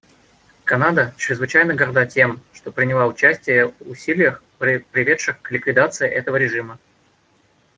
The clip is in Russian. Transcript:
Канада чрезвычайно горда тем, что приняла участие в усилиях, приведших к ликвидации этого режима.